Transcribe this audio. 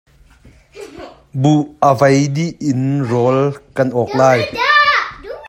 Buh a hmin dih in rawl kan ei lai.